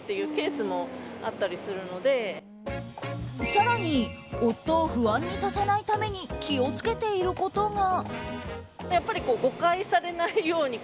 更に夫を不安にさせないために気を付けていることが。